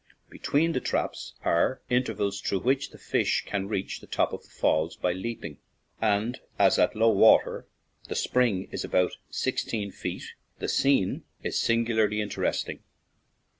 Between the traps are intervals through which the fish can reach the top of the falls by leaping, and as at low water the spring is about sixteen feet, the scene is singularly interesting.